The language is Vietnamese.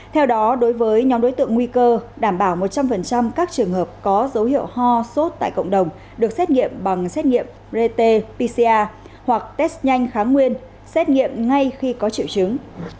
theo đó đối với nhóm đối tượng nguy cơ đảm bảo một trăm linh các trường hợp có dấu hiệu ho sốt tại cộng đồng được xét nghiệm bằng xét nghiệm rt pcr hoặc test nhanh kháng nguyên xét nghiệm ngay khi có triệu chứng